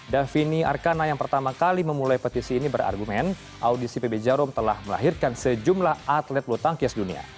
davini arkana yang pertama kali memulai petisi ini berargumen audisi pb jarum telah melahirkan sejumlah atlet bulu tangkis dunia